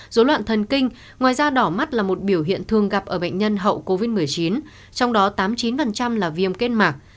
dối loạn thần kinh ngoài ra đỏ mắt là một biểu hiện thường gặp ở bệnh nhân hậu covid một mươi chín trong đó tám mươi chín là viêm kết mạng